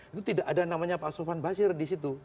itu tidak ada namanya pak sofan basir di situ